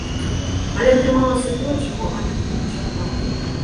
Але атрымалася тое, чаго ананім не чакаў.